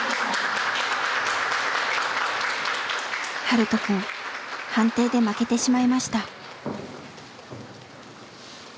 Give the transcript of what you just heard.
ハルトくん判定で負けてしまいました。